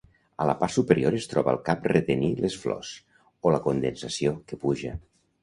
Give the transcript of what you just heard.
A la part superior es troba el cap retenir les flors, o la condensació, que puja.